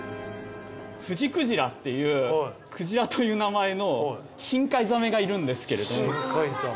フジクジラっていうクジラという名前の深海ザメがいるんですけれど。